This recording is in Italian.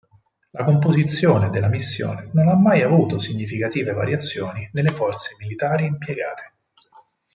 La composizione della missione non ha mai avuto significative variazioni nelle forze militari impiegate.